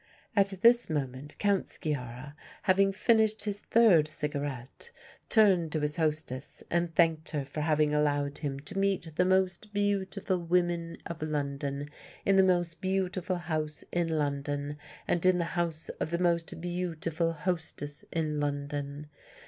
At this moment Count Sciarra, having finished his third cigarette, turned to his hostess and thanked her for having allowed him to meet the most beautiful women of London in the most beautiful house in London, and in the house of the most beautiful hostess in London.